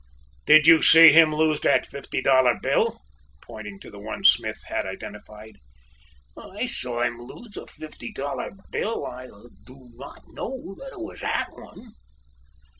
"Did you see him lose that fifty dollar bill," pointing to the one Smith had identified. "I saw him lose a fifty dollar bill I do not know that it was that one."